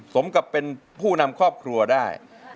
สมกับเป็นผู้นำครอบครัวได้